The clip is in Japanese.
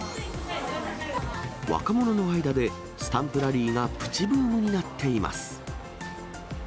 若者の間でスタンプラリーがプチブームになっています。